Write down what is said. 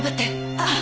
ああ。